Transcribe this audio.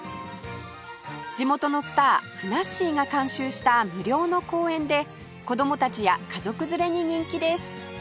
地元のスターふなっしーが監修した無料の公園で子供たちや家族連れに人気です